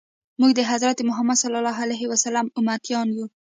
موږ د حضرت محمد صلی الله علیه وسلم امتیان یو.